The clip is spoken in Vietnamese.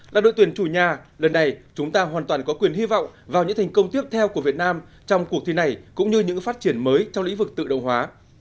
là đội tuyển chủ nhà lần này chúng ta hoàn toàn có quyền hy vọng vào những thành công tiếp theo của việt nam trong cuộc thi này cũng như những phát triển mới trong lĩnh vực tự động hóa